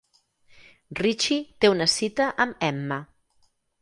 Richie té una cita amb Emma.